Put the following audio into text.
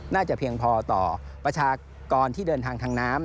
เพียงพอต่อประชากรที่เดินทางทางน้ำ